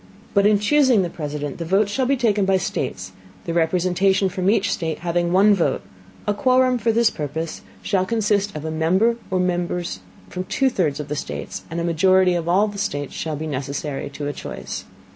But in chusing the President, the Votes shall be taken by States, the Representation from each State having one Vote; a Quorum for this Purpose shall consist of a Member or Members from two thirds of the States, and a Majority of all the States shall be necessary to a Choice.